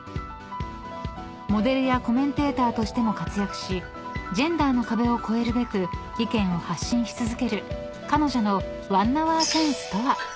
［モデルやコメンテーターとしても活躍しジェンダーの壁を越えるべく意見を発信し続ける彼女の］